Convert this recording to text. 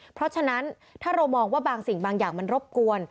เพราะฉะนั้นถ้าเรามองว่าบางสิ่งบางอย่างมันรบกวน